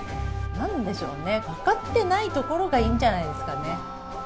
なんでしょうね、分かってないところがいいんじゃないですかね。